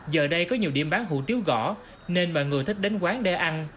giờ đây có nhiều điểm bán hủ tiếu gõ nên mọi người thích đến quán để ăn